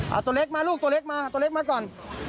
เอาตัวเล็กมาลูกตัวเล็กมาก่อน